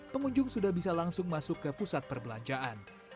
pengunjung sudah bisa langsung masuk ke pusat perbelanjaan